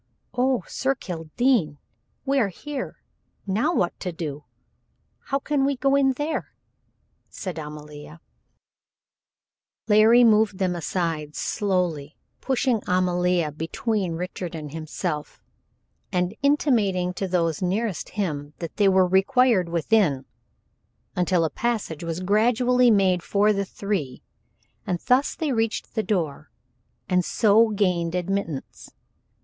"Oh! Sir Kildene we are here now what to do! How can we go in there?" said Amalia. Larry moved them aside slowly, pushing Amalia between Richard and himself, and intimating to those nearest him that they were required within, until a passage was gradually made for the three, and thus they reached the door and so gained admittance.